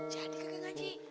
jadi gak ngaji